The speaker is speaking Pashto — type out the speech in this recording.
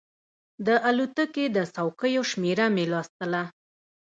د الوتکې د څوکیو شمېره مې لوستله.